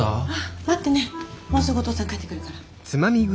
待ってねもうすぐお父さん帰ってくるから。